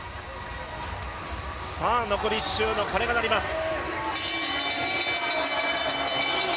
残り１周の鐘が鳴ります。